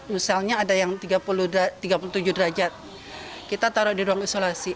misalnya ada yang tiga puluh tujuh derajat kita taruh di ruang isolasi